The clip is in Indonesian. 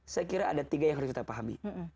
saya kira ada tiga yang harus kita pahami